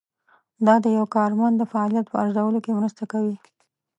دا د یو کارمند د فعالیت په ارزولو کې مرسته کوي.